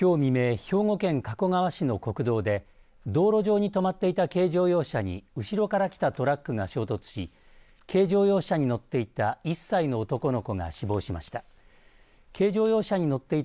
兵庫県加古川市の国道で道路上に止まっていた軽乗用車に後ろから来たトラックが衝突し軽乗用車に乗っていた１歳の男の子が死亡しました。